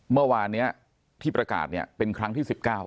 เมื่อวานที่ประกาศเป็นครั้งที่๑๙